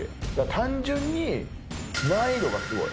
単純に難易度がすごい！